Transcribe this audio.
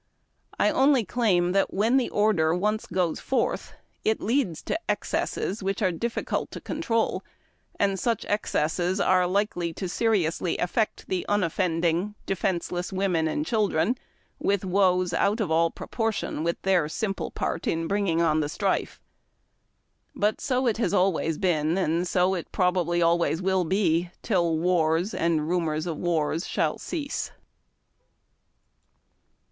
I only claim that when the order once o:oes forth it leads to excesses, which it is difficult to control, and such excesses are likely to seriously affect the unoffending, defenceless women and children with woes out of all proportion with their simi)le part in bringing on the strife. But so it always has been, and so it probably always will be, till wars and rumors of wars shall cease.